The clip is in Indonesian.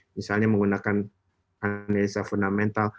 misalnya menggunakan analisa fundamental